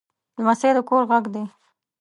لمسی د کور غږ دی.